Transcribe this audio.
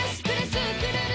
スクるるる！」